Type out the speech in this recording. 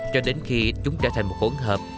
cho đến khi chúng trở thành một hỗn hợp